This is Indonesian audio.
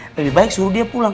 lebih baik suruh dia pulang